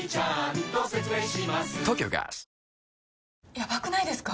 やばくないですか？